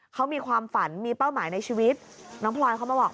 เขามีความฝันมีเป้าหมายในชีวิตน้องพลอยเขามาบอก